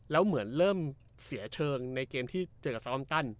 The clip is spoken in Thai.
แล้วเหมือนเริ่มเสียเชิงในเกมที่เจอกับซาออมตัน